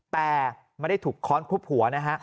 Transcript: แต่ไม่ได้ถูกค้อนทุบหัวนะฮะ